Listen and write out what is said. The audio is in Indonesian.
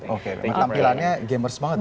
oke tampilannya gamers banget